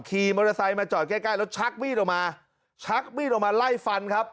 ขี่มอเตอร์ไซค์มาจอดใกล้ใกล้แล้วชักมีดออกมาชักมีดออกมาไล่ฟันครับ